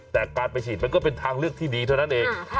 แต่การไปฉีดมันก็เป็นทางเลือกที่ดีเท่านั้นเอง